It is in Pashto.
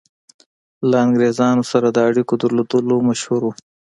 له انګرېزانو سره د اړېکو درلودلو مشهور وو.